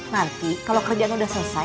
nanti kalau kerjaan udah selesai